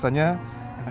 wangi wangi sekali